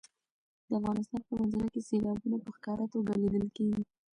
د افغانستان په منظره کې سیلابونه په ښکاره توګه لیدل کېږي.